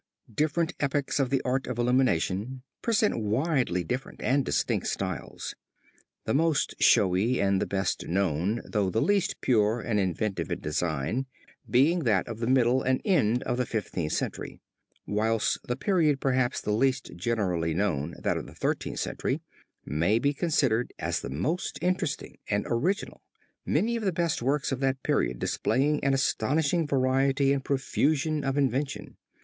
] "Different epochs of the art of illumination present widely different and distinct styles; the most showy and the best known, though the least pure and inventive in design, being that of the middle and end of the Fifteenth Century; whilst the period perhaps the least generally known, that of the Thirteenth Century, may be considered as the most interesting and original, many of the best works of that period displaying an astonishing variety and profusion of invention.